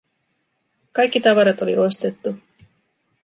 Kaikki tavarat oli ostettu.